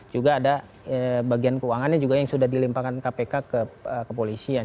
juga ada bagian keuangannya juga yang sudah dilimpahkan kpk ke kepolisian